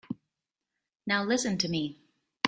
Now listen to me.